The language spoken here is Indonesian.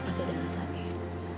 pasti ada alasannya